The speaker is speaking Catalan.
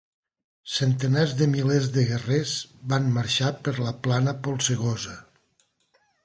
Centenars de milers de guerrers van marxar per la plana polsegosa.